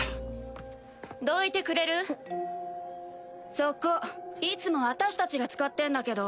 そこいつも私たちが使ってんだけど。